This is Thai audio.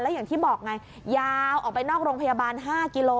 อย่างที่บอกไงยาวออกไปนอกโรงพยาบาล๕กิโล